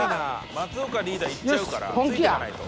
「松岡リーダー行っちゃうからついてかないと」